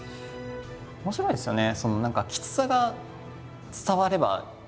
面白いですよね。